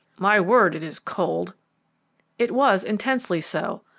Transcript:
My word, it is cold!" It was intensely so.